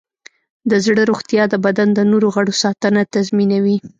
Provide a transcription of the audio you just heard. د زړه روغتیا د بدن د نور غړو ساتنه تضمینوي.